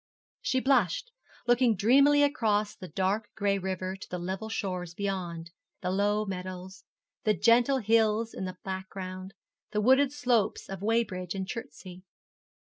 She blushed, looking dreamily across the dark gray river to the level shores beyond the low meadows gentle hills in the back ground the wooded slopes of Weybridge and Chertsey.